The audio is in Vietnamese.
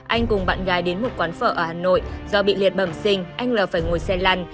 anh cùng bạn gái đến một quán phở ở hà nội do bị liệt bẩm sinh anh l phải ngồi xe lăn